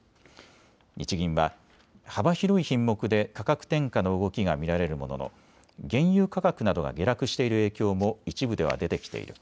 日銀は幅広い品目で価格転嫁の動きが見られるものの原油価格などが下落している影響も一部では出てきている。